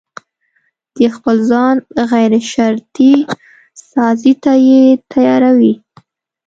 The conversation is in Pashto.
د خپل ځان غيرشرطي سازي ته يې تياروي.